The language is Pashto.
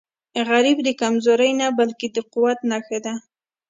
غریب د کمزورۍ نه، بلکې د قوت نښه ده